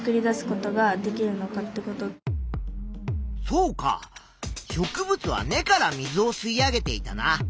そうか植物は根から水をすい上げていたな。